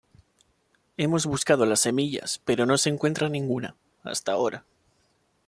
Hemos buscado las semillas pero no se encuentra ninguna, hasta ahora.